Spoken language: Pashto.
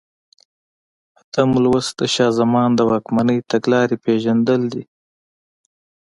اتم لوست د شاه زمان د واکمنۍ تګلارې پېژندل دي.